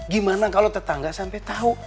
gimana kalau tetangga sampai tahu